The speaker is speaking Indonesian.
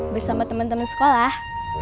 bersama temen temen sekolah